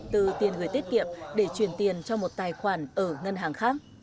từ tiền gửi tiết kiệm để chuyển tiền cho một tài khoản ở ngân hàng khác